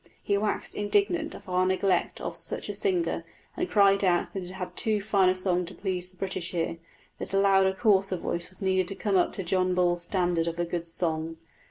He waxed indignant at our neglect of such a singer, and cried out that it had too fine a song to please the British ear; that a louder coarser voice was needed to come up to John Bull's standard of a good song.